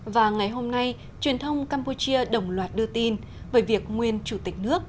và ngày hôm nay truyền thông campuchia đồng loạt đưa tin về việc nguyên chủ tịch nước